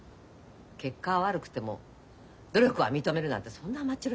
結果が悪くても努力は認めるなんてそんな甘っちょろい